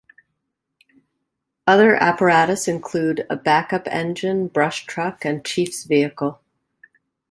Other apparatus include a backup engine, brush truck, and chief's vehicle.